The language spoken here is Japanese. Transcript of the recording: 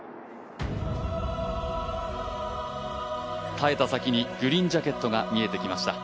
耐えた先にグリーンジャケットが見えてきました。